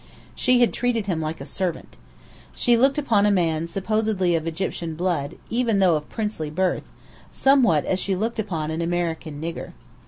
She had treated him like a servant. She looked upon a man supposedly of Egyptian blood, even though of princely birth, somewhat as she looked upon an American "nigger."